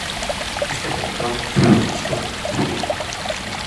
Este pendón tuvo una historia efímera.